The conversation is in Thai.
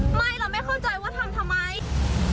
ไม่เราไม่เข้าใจว่าทำทำไม